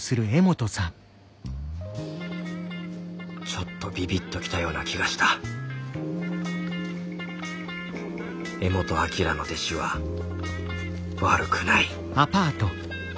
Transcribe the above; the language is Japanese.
ちょっとビビッと来たような気がした柄本明の弟子は悪くないは？